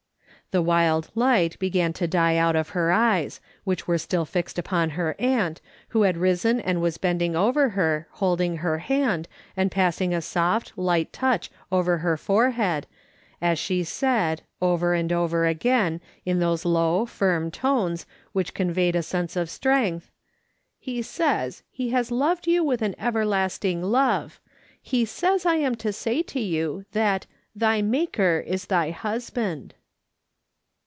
" The wild light began to die out of her eyes, which were still fixed upon her aunt, who had risen and was bending over her, holding her hand, and passing a soft, light touch over her forehead, as she said, over and over again in those low, firm tones, which con veyed a sense of strength :" He says he has loved you with an everlasting love ; he says I am to say to you that ' Thy Maker is thy husband.'